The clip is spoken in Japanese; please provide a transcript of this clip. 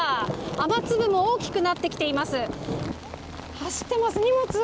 雨粒も大きくなってきています。